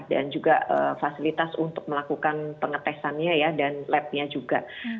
dan juga fasilitas untuk melakukan pengetesannya ya dan lab nya juga